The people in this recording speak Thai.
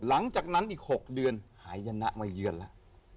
หลังจากนั้นอีก๖เดือนหายนะมาเยือนแล้ว